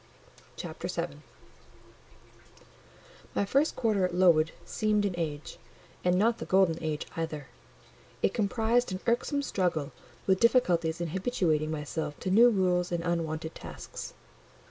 CHAPTER VII My first quarter at Lowood seemed an age; and not the golden age either; it comprised an irksome struggle with difficulties in habituating myself to new rules and unwonted tasks.